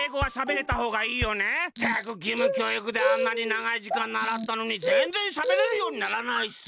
ったくぎむきょういくであんなにながいじかんならったのにぜんぜんしゃべれるようにならないしさ。